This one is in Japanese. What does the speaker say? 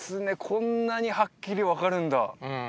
こんなにはっきり分かるんだうん